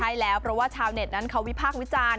ใช่แล้วเพราะว่าชาวเน็ตนั้นเขาวิพากษ์วิจารณ์